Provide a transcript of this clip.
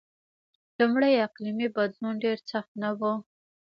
لومړی اقلیمی بدلون ډېر سخت نه و.